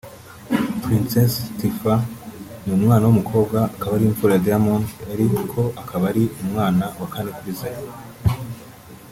Princess Tiffah ni umwana w’umukobwa akaba imfura ya Diamond ariko akaba ari umwana wa kane kuri Zari